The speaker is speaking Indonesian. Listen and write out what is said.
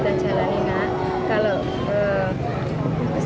kita itu harus menjaga keadaan kita